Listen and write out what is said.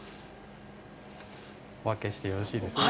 お開けしてよろしいですか。